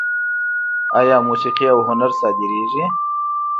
آیا موسیقي او هنر صادریږي؟